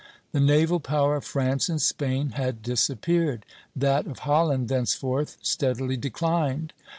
The naval power of France and Spain had disappeared; that of Holland thenceforth steadily declined.